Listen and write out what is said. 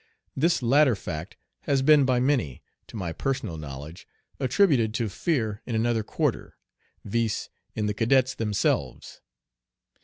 This latter fact has been by many, to my personal knowledge, attributed to fear in another quarter, viz., in the cadets themselves.